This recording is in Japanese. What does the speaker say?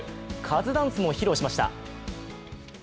カズダンスも披露しました。